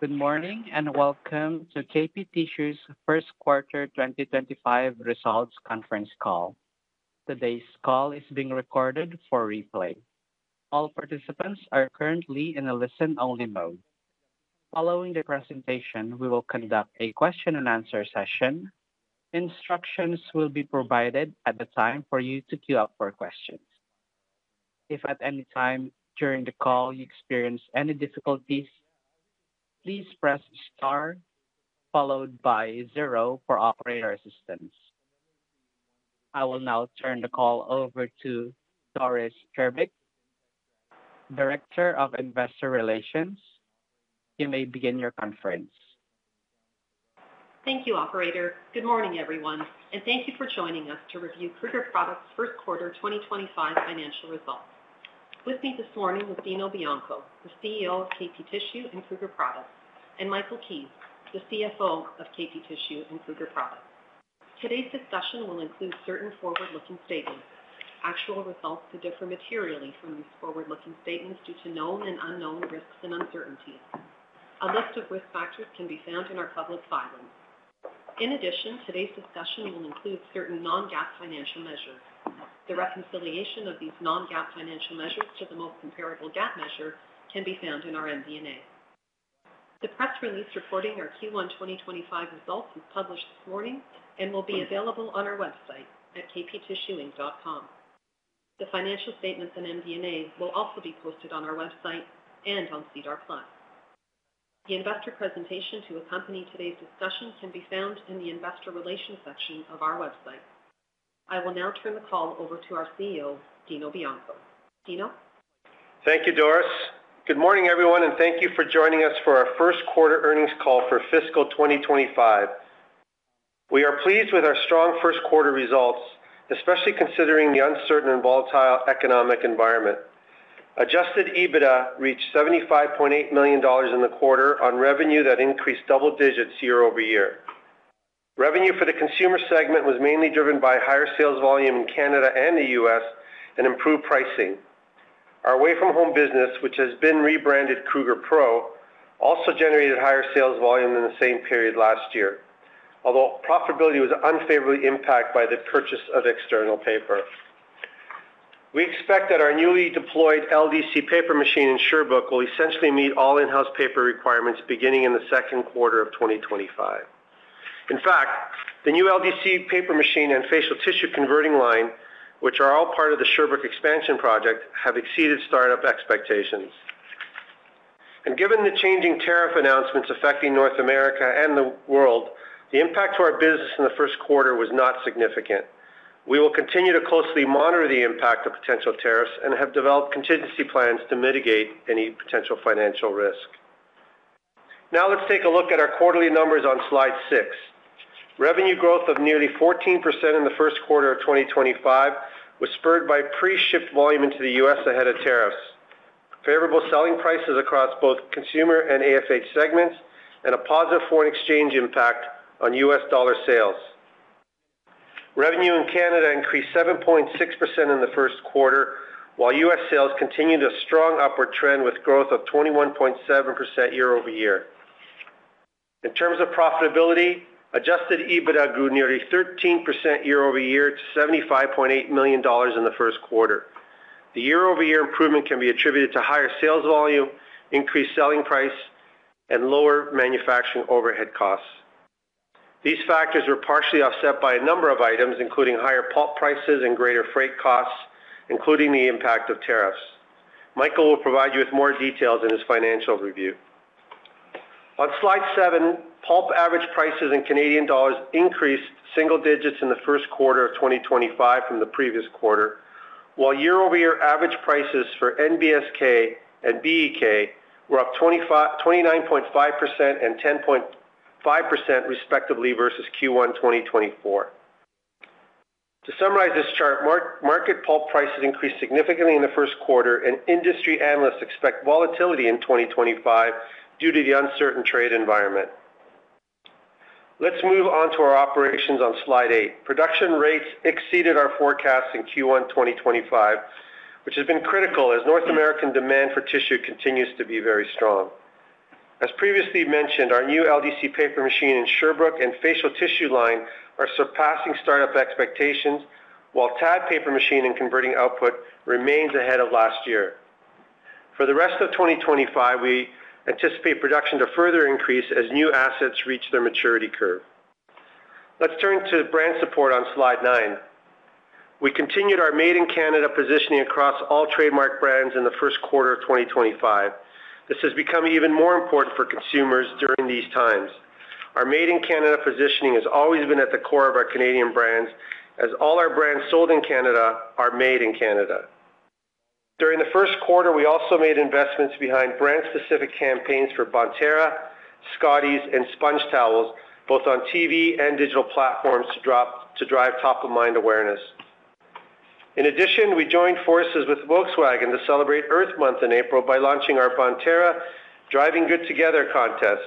Good morning and welcome to KP Tissue's First Quarter 2025 Results Conference Call. Today's call is being recorded for replay. All participants are currently in a listen-only mode. Following the presentation, we will conduct a question-and-answer session. Instructions will be provided at the time for you to queue up for questions. If at any time during the call you experience any difficulties, please press star followed by zero for operator assistance. I will now turn the call over to Doris Grbic, Director of Investor Relations. You may begin your conference. Thank you, Operator. Good morning, everyone, and thank you for joining us to review Kruger PROducts' First Quarter 2025 Financial Results. With me this morning is Dino Bianco, the CEO of KP Tissue and Kruger PROducts, and Michael Keays, the CFO of KP Tissue and Kruger PROducts. Today's discussion will include certain forward-looking statements. Actual results could differ materially from these forward-looking statements due to known and unknown risks and uncertainties. A list of risk factors can be found in our public filings. In addition, today's discussion will include certain non-GAAP financial measures. The reconciliation of these non-GAAP financial measures to the most comparable GAAP measure can be found in our MD&A. The press release reporting our Q1 2025 results was published this morning and will be available on our website at kptissue.com. The financial statements and MD&A will also be posted on our website and on SEDAR+. The investor presentation to accompany today's discussion can be found in the investor relations section of our website. I will now turn the call over to our CEO, Dino Bianco. Dino? Thank you, Doris. Good morning, everyone, and thank you for joining us for our first quarter earnings call for fiscal 2025. We are pleased with our strong first quarter results, especially considering the uncertain and volatile economic environment. Adjusted EBITDA reached 75.8 million dollars in the quarter on revenue that increased double digits year over year. Revenue for the consumer segment was mainly driven by higher sales volume in Canada and the U.S. and improved pricing. Our away-from-home business, which has been rebranded Kruger PRO, also generated higher sales volume than the same period last year, although profitability was unfavorably impacted by the purchase of external paper. We expect that our newly deployed LDC paper machine in Sherbrooke will essentially meet all in-house paper requirements beginning in the second quarter of 2025. In fact, the new LDC paper machine and facial tissue converting line, which are all part of the Sherbrooke expansion project, have exceeded startup expectations. Given the changing tariff announcements affecting North America and the world, the impact to our business in the first quarter was not significant. We will continue to closely monitor the impact of potential tariffs and have developed contingency plans to mitigate any potential financial risk. Now let's take a look at our quarterly numbers on slide six. Revenue growth of nearly 14% in the first quarter of 2025 was spurred by pre-shipped volume into the U.S. ahead of tariffs, favorable selling prices across both consumer and AFH segments, and a positive foreign exchange impact on U.S. dollar sales. Revenue in Canada increased 7.6% in the first quarter, while U.S. sales continued a strong upward trend with growth of 21.7% year over year. In terms of profitability, Adjusted EBITDA grew nearly 13% year over year to 75.8 million dollars in the first quarter. The year-over-year improvement can be attributed to higher sales volume, increased selling price, and lower manufacturing overhead costs. These factors were partially offset by a number of items, including higher pulp prices and greater freight costs, including the impact of tariffs. Michael will provide you with more details in his financial review. On slide seven, pulp average prices in Canadian dollars increased single digits in the first quarter of 2025 from the previous quarter, while year-over-year average prices for NBSK and BEK were up 29.5% and 10.5% respectively versus Q1 2024. To summarize this chart, market pulp prices increased significantly in the first quarter, and industry analysts expect volatility in 2025 due to the uncertain trade environment. Let's move on to our operations on slide eight. Production rates exceeded our forecasts in Q1 2025, which has been critical as North American demand for tissue continues to be very strong. As previously mentioned, our new LDC paper machine in Sherbrooke and facial tissue line are surpassing startup expectations, while TAD paper machine and converting output remains ahead of last year. For the rest of 2025, we anticipate production to further increase as new assets reach their maturity curve. Let's turn to brand support on slide nine. We continued our made-in-Canada positioning across all trademark brands in the first quarter of 2025. This has become even more important for consumers during these times. Our made-in-Canada positioning has always been at the core of our Canadian brands, as all our brands sold in Canada are made in Canada. During the first quarter, we also made investments behind brand-specific campaigns for Bonterra, Scotties, and SpongeTowels, both on TV and digital platforms to drive top-of-mind awareness. In addition, we joined forces with Volkswagen to celebrate Earth Month in April by launching our Bonterra Driving Good Together contest.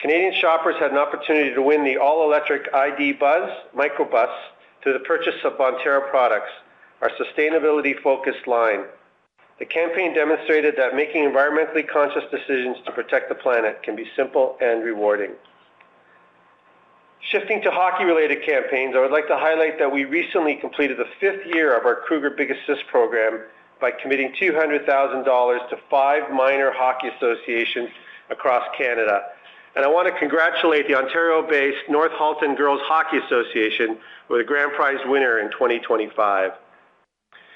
Canadian shoppers had an opportunity to win the all-electric ID. Buzz microbus through the purchase of Bonterra products, our sustainability-focused line. The campaign demonstrated that making environmentally conscious decisions to protect the planet can be simple and rewarding. Shifting to hockey-related campaigns, I would like to highlight that we recently completed the fifth year of our Kruger Big Assist program by committing 200,000 dollars to five minor hockey associations across Canada. I want to congratulate the Ontario-based North Halton Girls Hockey Association as the grand prize winner in 2025.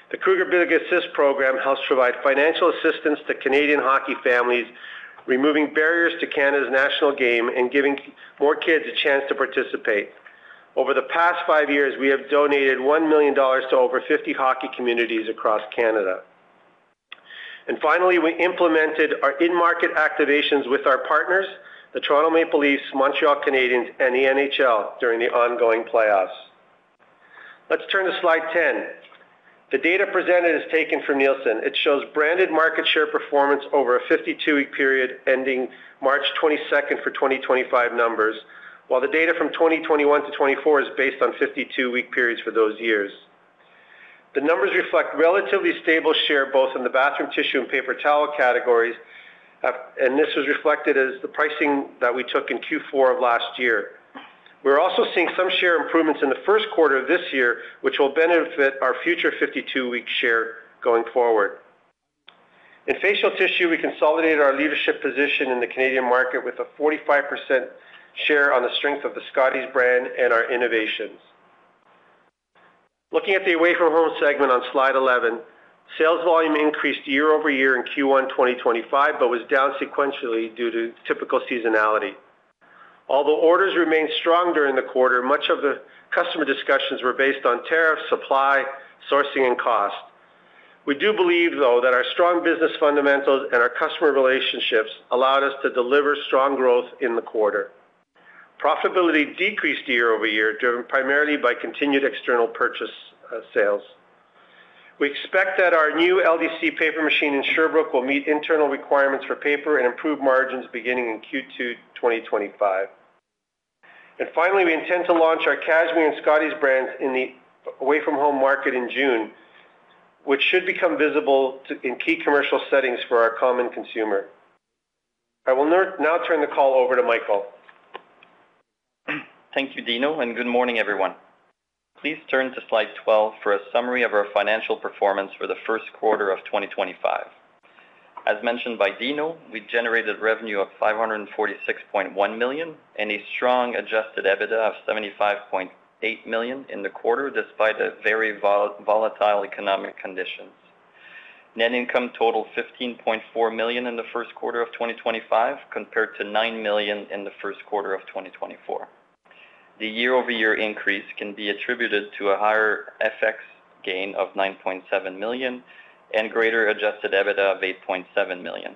The Kruger Big Assist program helps provide financial assistance to Canadian hockey families, removing barriers to Canada's national game and giving more kids a chance to participate. Over the past five years, we have donated 1 million dollars to over 50 hockey communities across Canada. Finally, we implemented our in-market activations with our partners, the Toronto Maple Leafs, Montreal Canadiens, and the NHL during the ongoing playoffs. Let's turn to slide ten. The data presented is taken from Nielsen. It shows branded market share performance over a 52-week period ending March 22 for 2025 numbers, while the data from 2021 to 2024 is based on 52-week periods for those years. The numbers reflect relatively stable share both in the bathroom tissue and paper towel categories, and this was reflected as the pricing that we took in Q4 of last year. We're also seeing some share improvements in the first quarter of this year, which will benefit our future 52-week share going forward. In facial tissue, we consolidated our leadership position in the Canadian market with a 45% share on the strength of the Scotties brand and our innovations. Looking at the away-from-home segment on slide 11, sales volume increased year-over-year in Q1 2025 but was down sequentially due to typical seasonality. Although orders remained strong during the quarter, much of the customer discussions were based on tariffs, supply, sourcing, and cost. We do believe, though, that our strong business fundamentals and our customer relationships allowed us to deliver strong growth in the quarter. Profitability decreased year-over-year, driven primarily by continued external purchase sales. We expect that our new LDC paper machine in Sherbrooke will meet internal requirements for paper and improve margins beginning in Q2 2025. Finally, we intend to launch our Cashmere and Scotties brands in the away-from-home market in June, which should become visible in key commercial settings for our common consumer. I will now turn the call over to Michael. Thank you, Dino, and good morning, everyone. Please turn to slide 12 for a summary of our financial performance for the first quarter of 2025. As mentioned by Dino, we generated revenue of 546.1 million and a strong Adjusted EBITDA of 75.8 million in the quarter despite the very volatile economic conditions. Net income totaled 15.4 million in the first quarter of 2025 compared to 9 million in the first quarter of 2024. The year-over-year increase can be attributed to a higher FX gain of 9.7 million and greater Adjusted EBITDA of 8.7 million.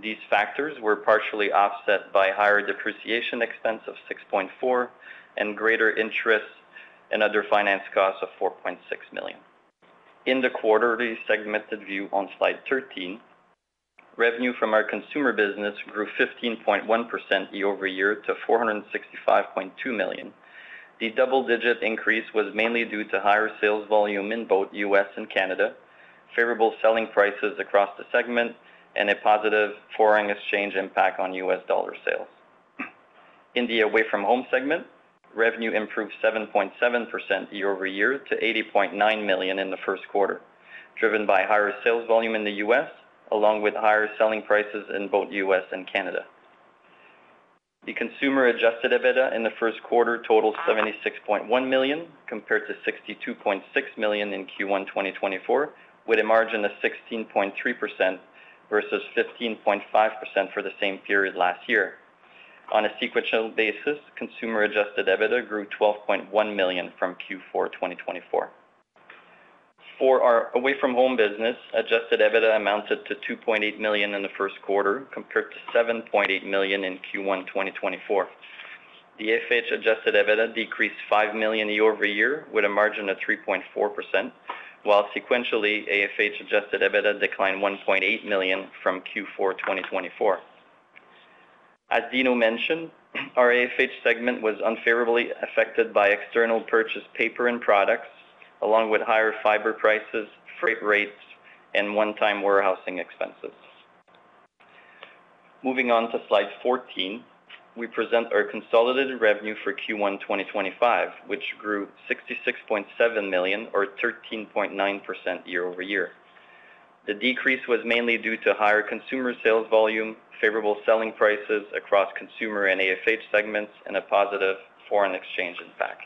These factors were partially offset by higher depreciation expense of 6.4 million and greater interest and other finance costs of 4.6 million. In the quarterly segmented view on slide 13, revenue from our consumer business grew 15.1% year-over-year to 465.2 million. The double-digit increase was mainly due to higher sales volume in both U.S. and Canada, favorable selling prices across the segment, and a positive foreign exchange impact on U.S. dollar sales. In the away-from-home segment, revenue improved 7.7% year-over-year to 80.9 million in the first quarter, driven by higher sales volume in the U.S., along with higher selling prices in both U.S. and Canada. The consumer Adjusted EBITDA in the first quarter totaled 76.1 million compared to 62.6 million in Q1 2023, with a margin of 16.3% versus 15.5% for the same period last year. On a sequential basis, consumer Adjusted EBITDA grew 12.1 million from Q4 2022. For our away-from-home business, Adjusted EBITDA amounted to 2.8 million in the first quarter compared to 7.8 million in Q1 2023. The AFH Adjusted EBITDA decreased $5 million year-over-year with a margin of 3.4%, while sequentially, AFH Adjusted EBITDA declined $1.8 million from Q4 2024. As Dino mentioned, our AFH segment was unfavorably affected by external purchased paper and products, along with higher fiber prices, freight rates, and one-time warehousing expenses. Moving on to slide 14, we present our consolidated revenue for Q1 2025, which grew $66.7 million or 13.9% year-over-year. The increase was mainly due to higher consumer sales volume, favorable selling prices across consumer and AFH segments, and a positive foreign exchange impact.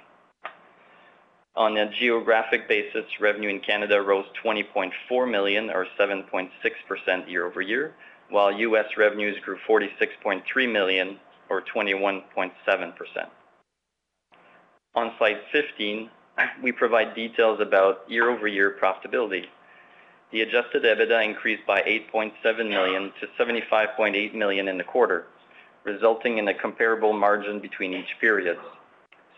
On a geographic basis, revenue in Canada rose $20.4 million or 7.6% year-over-year, while U.S. revenues grew $46.3 million or 21.7%. On slide 15, we provide details about year-over-year profitability. The Adjusted EBITDA increased by $8.7 million to $75.8 million in the quarter, resulting in a comparable margin between each period.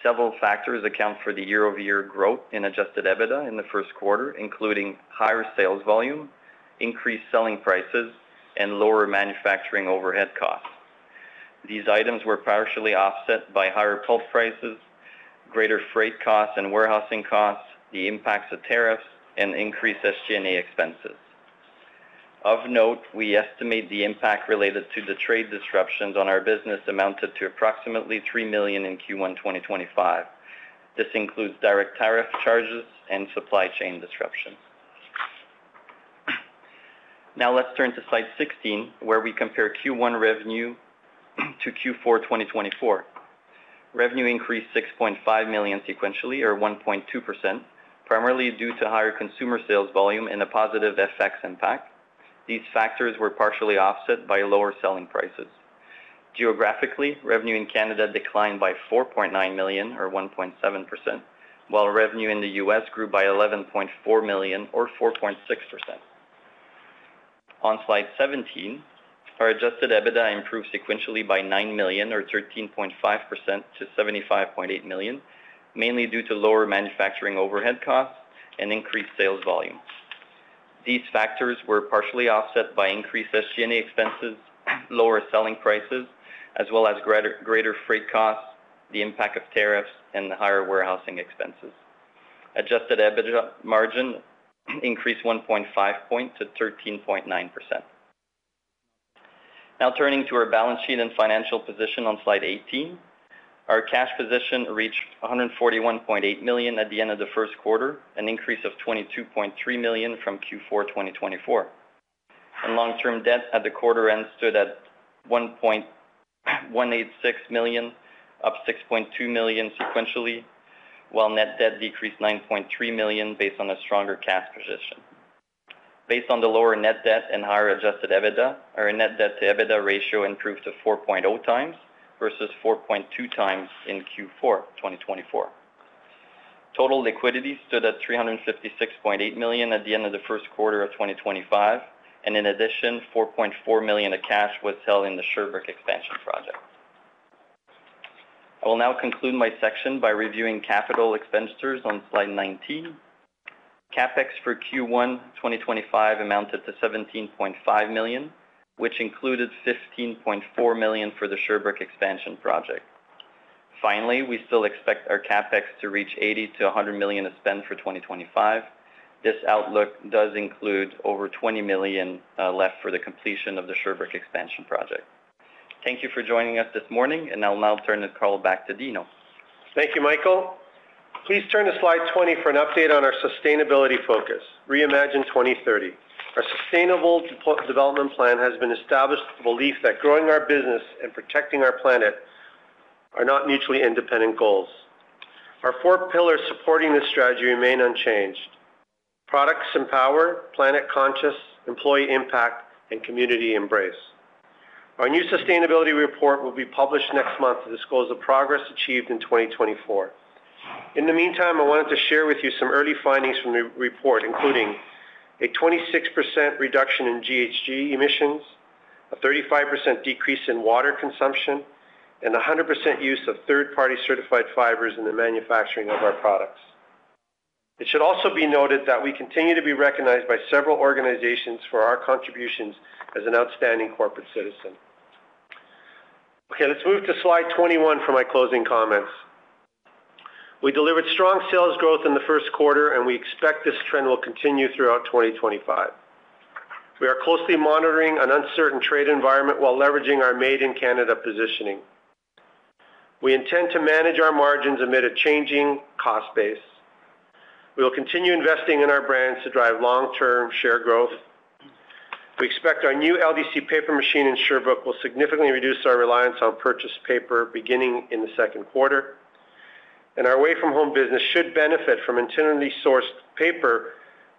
Several factors account for the year-over-year growth in Adjusted EBITDA in the first quarter, including higher sales volume, increased selling prices, and lower manufacturing overhead costs. These items were partially offset by higher pulp prices, greater freight costs and warehousing costs, the impacts of tariffs, and increased SG&A expenses. Of note, we estimate the impact related to the trade disruptions on our business amounted to approximately 3 million in Q1 2025. This includes direct tariff charges and supply chain disruptions. Now let's turn to slide 16, where we compare Q1 revenue to Q4 2024. Revenue increased 6.5 million sequentially or 1.2%, primarily due to higher consumer sales volume and a positive FX impact. These factors were partially offset by lower selling prices. Geographically, revenue in Canada declined by 4.9 million or 1.7%, while revenue in the U.S. grew by 11.4 million or 4.6%. On slide 17, our Adjusted EBITDA improved sequentially by $9 million or 13.5% to $75.8 million, mainly due to lower manufacturing overhead costs and increased sales volume. These factors were partially offset by increased SG&A expenses, lower selling prices, as well as greater freight costs, the impact of tariffs, and the higher warehousing expenses. Adjusted EBITDA margin increased 1.5 percentage points to 13.9%. Now turning to our balance sheet and financial position on slide 18, our cash position reached $141.8 million at the end of the first quarter, an increase of $22.3 million from Q4 2024. Our long-term debt at the quarter end stood at $186 million, up $6.2 million sequentially, while net debt decreased $9.3 million based on a stronger cash position. Based on the lower net debt and higher Adjusted EBITDA, our net debt-to-EBITDA ratio improved to 4.0 times versus 4.2 times in Q4 2024. Total liquidity stood at 356.8 million at the end of the first quarter of 2025, and in addition, 4.4 million of cash was held in the Sherbrooke expansion project. I will now conclude my section by reviewing capital expenditures on slide 19. CapEx for Q1 2025 amounted to CAD 17.5 million, which included CAD 15.4 million for the Sherbrooke expansion project. Finally, we still expect our CapEx to reach 80-100 million of spend for 2025. This outlook does include over 20 million left for the completion of the Sherbrooke expansion project. Thank you for joining us this morning, and I'll now turn the call back to Dino. Thank you, Michael. Please turn to slide 20 for an update on our sustainability focus, Reimagine 2030. Our Sustainable Development Plan has been established with the belief that growing our business and protecting our planet are not mutually independent goals. Our four pillars supporting this strategy remain unchanged: products empower, planet conscious, employee impact, and community embrace. Our new sustainability report will be published next month to disclose the progress achieved in 2024. In the meantime, I wanted to share with you some early findings from the report, including a 26% reduction in GHG emissions, a 35% decrease in water consumption, and 100% use of third-party certified fibers in the manufacturing of our products. It should also be noted that we continue to be recognized by several organizations for our contributions as an outstanding corporate citizen. Okay, let's move to slide 21 for my closing comments. We delivered strong sales growth in the first quarter, and we expect this trend will continue throughout 2025. We are closely monitoring an uncertain trade environment while leveraging our Made in Canada positioning. We intend to manage our margins amid a changing cost base. We will continue investing in our brands to drive long-term share growth. We expect our new LDC paper machine in Sherbrooke will significantly reduce our reliance on purchased paper beginning in the second quarter. Our away-from-home business should benefit from intentionally sourced paper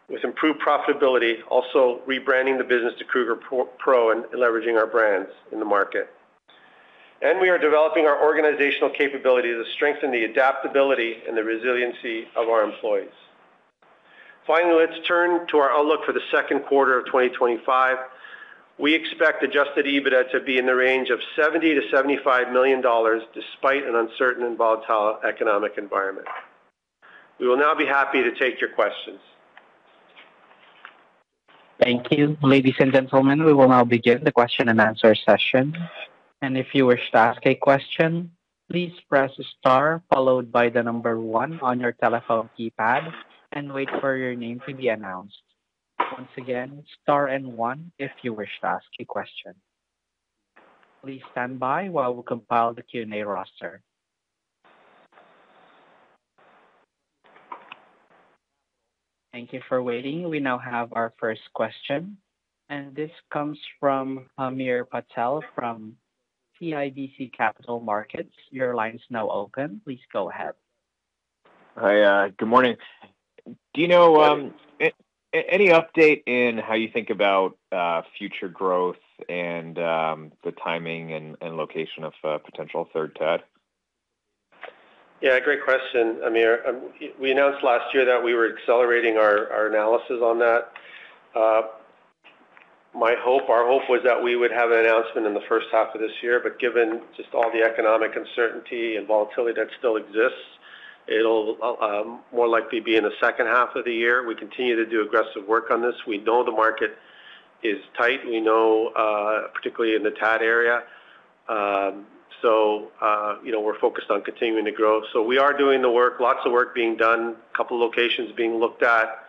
with improved profitability, also rebranding the business to Kruger PRO and leveraging our brands in the market. We are developing our organizational capabilities to strengthen the adaptability and the resiliency of our employees. Finally, let's turn to our outlook for the second quarter of 2025. We expect Adjusted EBITDA to be in the range of 70 million-75 million dollars despite an uncertain and volatile economic environment. We will now be happy to take your questions. Thank you. Ladies and gentlemen, we will now begin the question and answer session. If you wish to ask a question, please press star followed by the number one on your telephone keypad and wait for your name to be announced. Once again, star and one if you wish to ask a question. Please stand by while we compile the Q&A roster. Thank you for waiting. We now have our first question, and this comes from Hamir Patel from CIBC Capital Markets. Your line is now open. Please go ahead. Hi, good morning. Do you know any update in how you think about future growth and the timing and location of potential third tier? Yeah, great question, Amir. We announced last year that we were accelerating our analysis on that. My hope, our hope was that we would have an announcement in the first half of this year, but given just all the economic uncertainty and volatility that still exists, it will more likely be in the second half of the year. We continue to do aggressive work on this. We know the market is tight. We know, particularly in the TAD area. We are focused on continuing to grow. We are doing the work, lots of work being done, a couple of locations being looked at,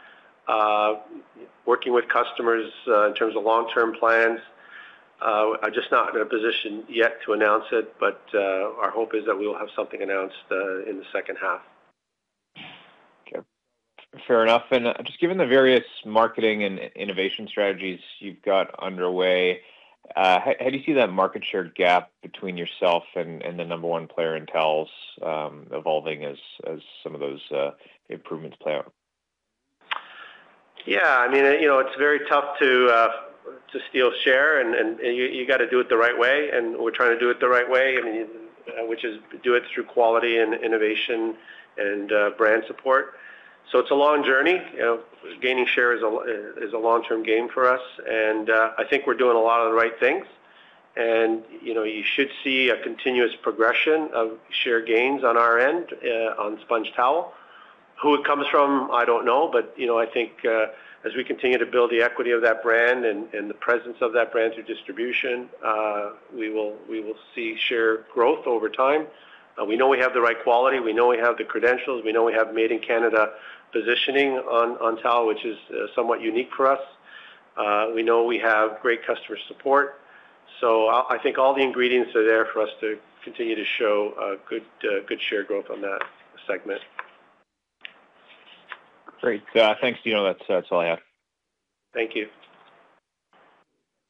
working with customers in terms of long-term plans. I am just not in a position yet to announce it, but our hope is that we will have something announced in the second half. Okay. Fair enough. Just given the various marketing and innovation strategies you've got underway, how do you see that market share gap between yourself and the number one player in towels evolving as some of those improvements play out? Yeah, I mean, it's very tough to steal share, and you got to do it the right way. We're trying to do it the right way, which is do it through quality and innovation and brand support. It is a long journey. Gaining share is a long-term game for us, and I think we're doing a lot of the right things. You should see a continuous progression of share gains on our end on SpongeTowels. Who it comes from, I don't know, but I think as we continue to build the equity of that brand and the presence of that brand through distribution, we will see share growth over time. We know we have the right quality. We know we have the credentials. We know we have Made in Canada positioning on TAD, which is somewhat unique for us. We know we have great customer support. I think all the ingredients are there for us to continue to show good share growth on that segment. Great. Thanks, Dino. That's all I have. Thank you.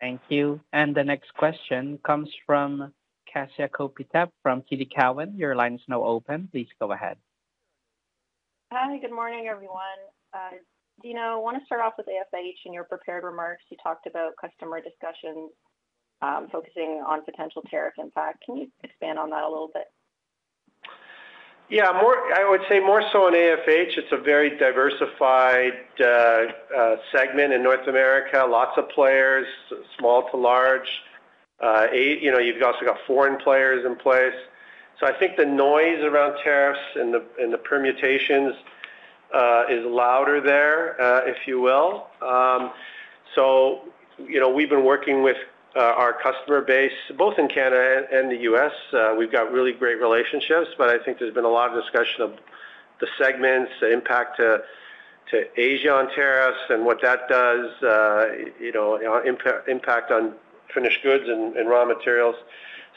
Thank you. The next question comes from [Kasper Fangel] from TD Cowen. Your line is now open. Please go ahead. Hi, good morning, everyone. Dino, I want to start off with AFH and your prepared remarks. You talked about customer discussions focusing on potential tariff impact. Can you expand on that a little bit? Yeah, I would say more so on AFH. It's a very diversified segment in North America. Lots of players, small to large. You've also got foreign players in place. I think the noise around tariffs and the permutations is louder there, if you will. We've been working with our customer base, both in Canada and the U.S. We've got really great relationships, but I think there's been a lot of discussion of the segments, the impact to Asia on tariffs and what that does, impact on finished goods and raw materials.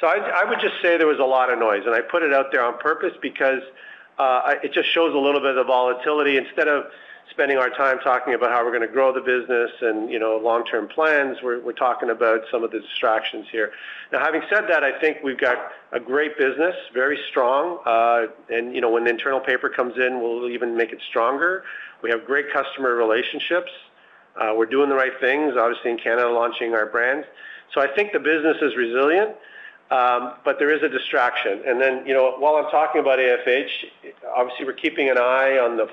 I would just say there was a lot of noise. I put it out there on purpose because it just shows a little bit of volatility. Instead of spending our time talking about how we're going to grow the business and long-term plans, we're talking about some of the distractions here. Now, having said that, I think we've got a great business, very strong. When the internal paper comes in, we'll even make it stronger. We have great customer relationships. We're doing the right things, obviously in Canada launching our brands. I think the business is resilient, but there is a distraction. While I'm talking about AFH, obviously we're keeping an eye on the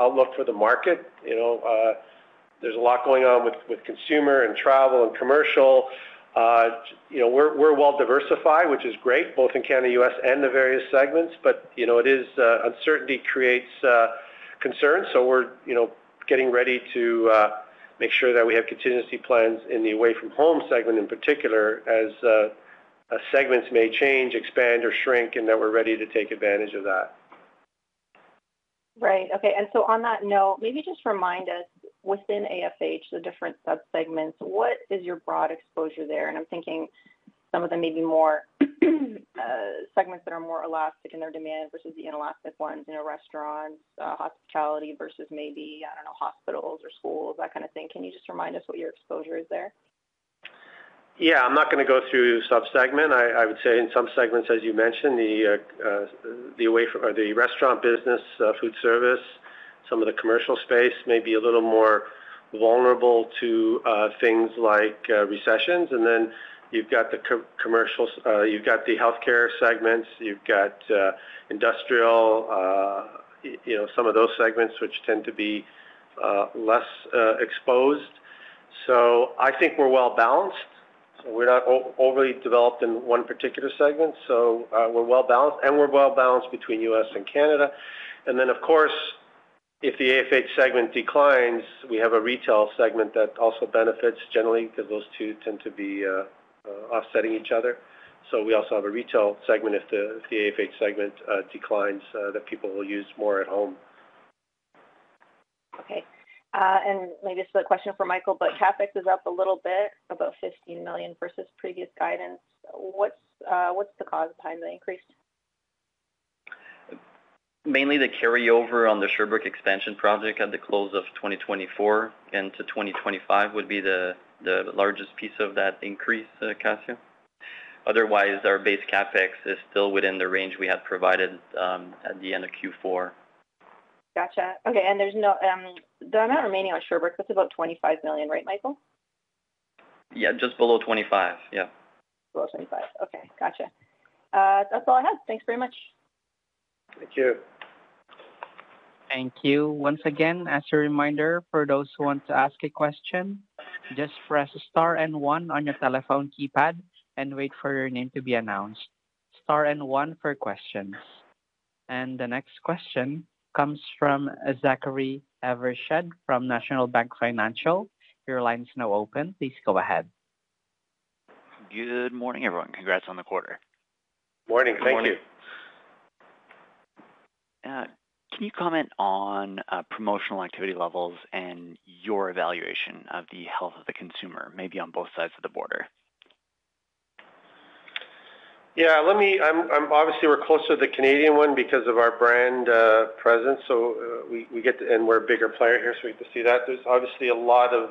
outlook for the market. There's a lot going on with consumer and travel and commercial. We're well diversified, which is great, both in Canada, U.S., and the various segments, but uncertainty creates concerns. We're getting ready to make sure that we have contingency plans in the away-from-home segment in particular, as segments may change, expand, or shrink, and that we're ready to take advantage of that. Right. Okay. On that note, maybe just remind us within AFH, the different subsegments, what is your broad exposure there? I'm thinking some of them may be more segments that are more elastic in their demand versus the inelastic ones in restaurants, hospitality versus maybe, I don't know, hospitals or schools, that kind of thing. Can you just remind us what your exposure is there? Yeah, I'm not going to go through subsegment. I would say in some segments, as you mentioned, the restaurant business, food service, some of the commercial space may be a little more vulnerable to things like recessions. Then you've got the healthcare segments. You've got industrial, some of those segments, which tend to be less exposed. I think we're well balanced. We're not overly developed in one particular segment. We're well balanced, and we're well balanced between U.S. and Canada. Of course, if the AFH segment declines, we have a retail segment that also benefits generally because those two tend to be offsetting each other. We also have a retail segment if the AFH segment declines that people will use more at home. Okay. Maybe this is a question for Michael, but CapEx is up a little bit, about $15 million versus previous guidance. What's the cause behind the increase? Mainly the carryover on the Sherbrooke expansion project at the close of 2024 into 2025 would be the largest piece of that increase, [Kasper]. Otherwise, our base CapEx is still within the range we had provided at the end of Q4. Gotcha. Okay. There is no—the amount remaining on Sherbrooke, that's about $25 million, right, Michael? Yeah, just below 25, yeah. Below 25. Okay. Gotcha. That's all I had. Thanks very much. Thank you. Thank you. Once again, as a reminder, for those who want to ask a question, just press star and one on your telephone keypad and wait for your name to be announced. Star and one for questions. The next question comes from Zachary Evershed from National Bank Financial. Your line is now open. Please go ahead. Good morning, everyone. Congrats on the quarter. Morning. Thank you. Morning. Can you comment on promotional activity levels and your evaluation of the health of the consumer, maybe on both sides of the border? Yeah. Obviously, we're closer to the Canadian one because of our brand presence. We're a bigger player here, so we get to see that. There's obviously a lot of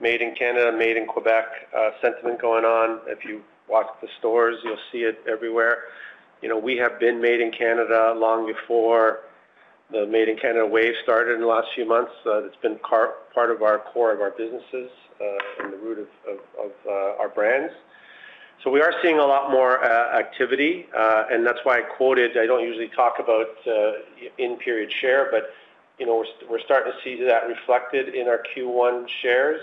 Made in Canada, Made in Quebec sentiment going on. If you walk the stores, you'll see it everywhere. We have been Made in Canada long before the Made in Canada wave started in the last few months. It's been part of our core of our businesses and the root of our brands. We are seeing a lot more activity. That's why I quoted—I don't usually talk about end-period share, but we're starting to see that reflected in our Q1 shares.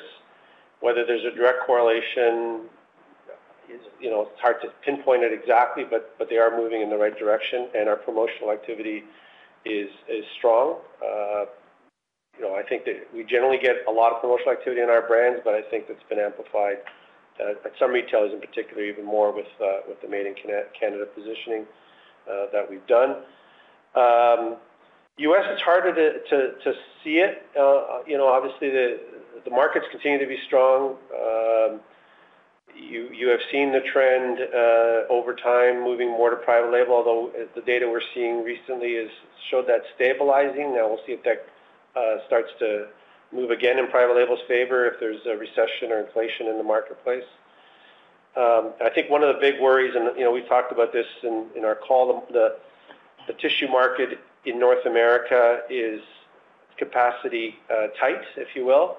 Whether there's a direct correlation, it's hard to pinpoint it exactly, but they are moving in the right direction, and our promotional activity is strong. I think that we generally get a lot of promotional activity in our brands, but I think it's been amplified at some retailers, in particular, even more with the Made in Canada positioning that we've done. U.S., it's harder to see it. Obviously, the markets continue to be strong. You have seen the trend over time moving more to private label, although the data we're seeing recently has showed that stabilizing. Now, we'll see if that starts to move again in private label's favor if there's a recession or inflation in the marketplace. I think one of the big worries, and we've talked about this in our call, the tissue market in North America is capacity tight, if you will.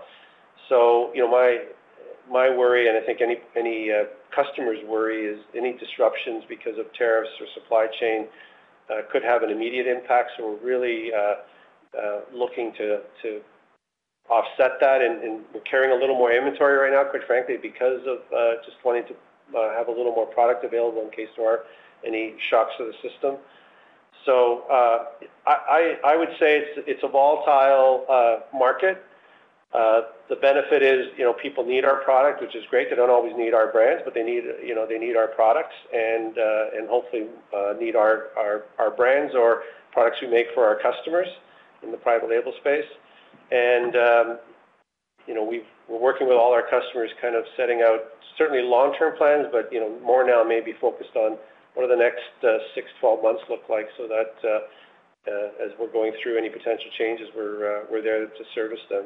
My worry, and I think any customer's worry, is any disruptions because of tariffs or supply chain could have an immediate impact. We're really looking to offset that, and we're carrying a little more inventory right now, quite frankly, because of just wanting to have a little more product available in case there are any shocks to the system. I would say it's a volatile market. The benefit is people need our product, which is great. They don't always need our brands, but they need our products and hopefully need our brands or products we make for our customers in the private label space. We're working with all our customers, kind of setting out certainly long-term plans, but more now maybe focused on what do the next 6-12 months look like so that as we're going through any potential changes, we're there to service them.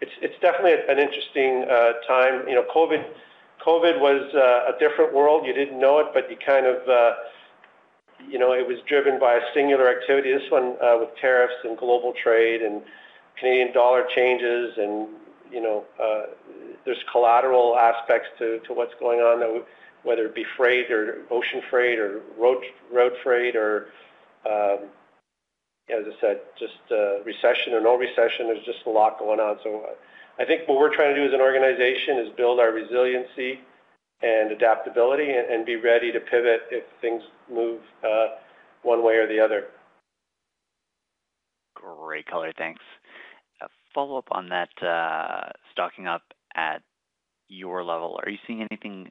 It's definitely an interesting time. COVID was a different world. You did not know it, but you kind of—it was driven by a singular activity. This one with tariffs and global trade and Canadian dollar changes, and there are collateral aspects to what is going on, whether it be freight or ocean freight or road freight or, as I said, just recession or no recession. There is just a lot going on. I think what we are trying to do as an organization is build our resiliency and adaptability and be ready to pivot if things move one way or the other. Great, Kaler. Thanks. Follow up on that, stocking up at your level. Are you seeing anything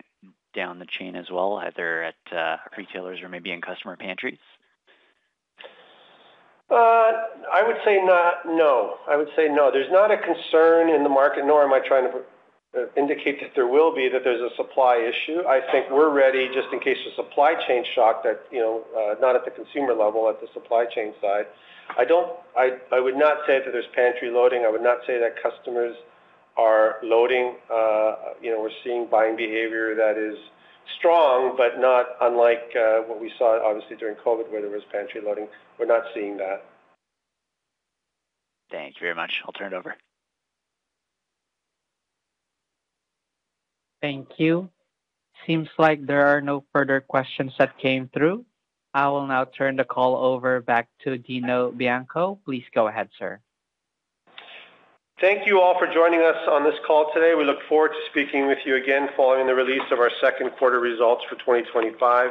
down the chain as well, either at retailers or maybe in customer pantries? I would say no. There's not a concern in the market, nor am I trying to indicate that there will be, that there's a supply issue. I think we're ready just in case of supply chain shock, not at the consumer level, at the supply chain side. I would not say that there's pantry loading. I would not say that customers are loading. We're seeing buying behavior that is strong, but not unlike what we saw, obviously, during COVID where there was pantry loading. We're not seeing that. Thank you very much. I'll turn it over. Thank you. Seems like there are no further questions that came through. I will now turn the call over back to Dino Bianco. Please go ahead, sir. Thank you all for joining us on this call today. We look forward to speaking with you again following the release of our second quarter results for 2025.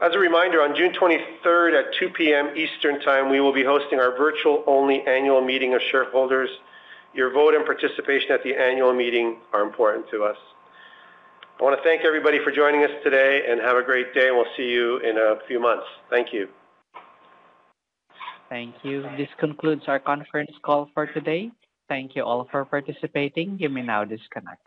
As a reminder, on June 23rd at 2:00 P.M. Eastern Time, we will be hosting our virtual-only annual meeting of shareholders. Your vote and participation at the annual meeting are important to us. I want to thank everybody for joining us today and have a great day. We'll see you in a few months. Thank you. Thank you. This concludes our conference call for today. Thank you all for participating. You may now disconnect.